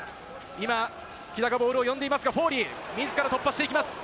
木田がボールを呼んでいますが、フォーリー自ら突破していきます。